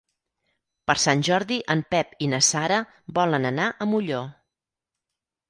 Per Sant Jordi en Pep i na Sara volen anar a Molló.